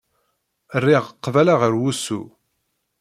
Rriɣ qbala ɣer wusu.